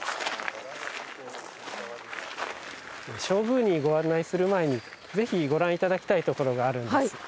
正宮にご案内する前にぜひご覧いただきたいところがあるんです。